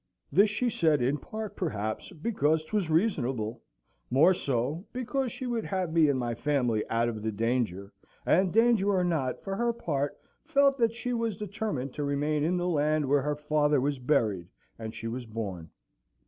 This she said in part, perhaps, because 'twas reasonable; more so because she would have me and my family out of the danger; and danger or not, for her part felt that she was determined to remain in the land where her father was buried, and she was born.